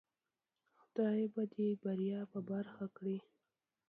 خدای به دی بریا په برخه کړی